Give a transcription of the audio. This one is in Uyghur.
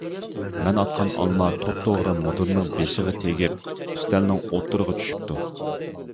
مەن ئاتقان ئالما توپتوغرا مۇدىرنىڭ بېشىغا تېگىپ، ئۈستەلنىڭ ئوتتۇرىغا چۈشۈپتۇ.